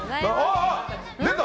出た！